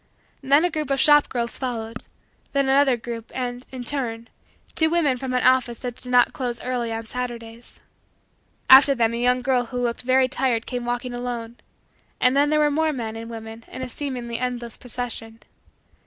Then a group of shop girls followed; then another group and, in turn, two women from an office that did not close early on Saturdays. After them a young girl who looked very tired came walking alone, and then there were more men and women in a seemingly endless procession.